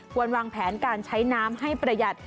วางแผนการใช้น้ำให้ประหยัด